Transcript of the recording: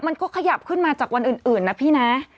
มันก็ขยับขึ้นมาจากวันอื่นนะพี่นะ